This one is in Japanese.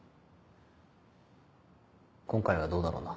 今回はどうだろうな。